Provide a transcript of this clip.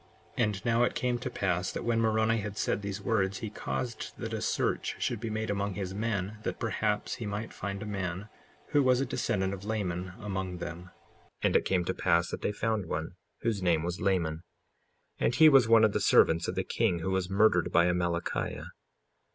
55:4 And now it came to pass that when Moroni had said these words, he caused that a search should be made among his men, that perhaps he might find a man who was a descendant of Laman among them. 55:5 And it came to pass that they found one, whose name was Laman; and he was one of the servants of the king who was murdered by Amalickiah.